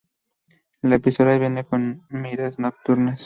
La pistola viene con miras nocturnas.